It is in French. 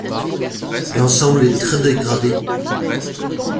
L'ensemble est très dégradé.